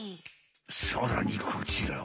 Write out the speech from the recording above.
さらにこちらは。